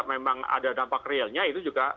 memang ada dampak realnya itu juga